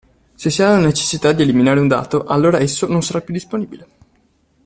Se si ha la necessità di eliminare un dato, allora esso non sarà più disponibile.